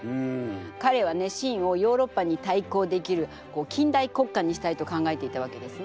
かれはね清をヨーロッパにたいこうできる近代国家にしたいと考えていたわけですね。